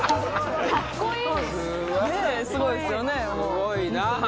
すごいな。